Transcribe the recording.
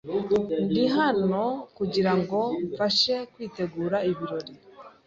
Ndi hano kugirango mfashe kwitegura ibirori.